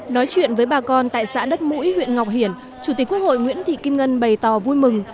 nói chuyện với bà con tại xã đất mũi huyện ngọc hiển chủ tịch quốc hội nguyễn thị kim ngân bày tỏ vui mừng